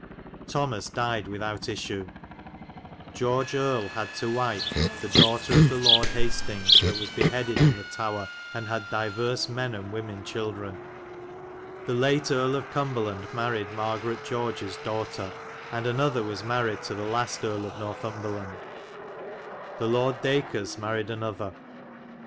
Thomas dyed without ysswe. George erle had to wyfe the dowghtar of the Lorde Hast ings that was behedid in the Towre, and had dyvers men and wymen children. a Shifnal. 4 LELAND'S ITINERARY The late Erie of Comberland maried Margaret Georgys dowghtar. And an othar was maried to the last Erie of Northumbar land. The Lord Dacres maried an othar.